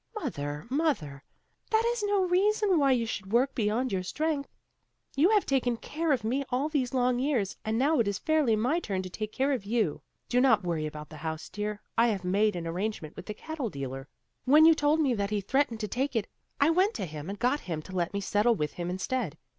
"Mother, mother, that is no reason why you should work beyond your strength. You have taken care of me all these long years, and now it is fairly my turn to take care of you. Do not worry about the house, dear; I have made an arrangement with the cattle dealer. When you told me that he threatened to take it, I went to him and got him to let me settle with him instead.